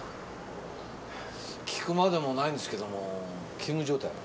訊くまでもないんですけども勤務状態は？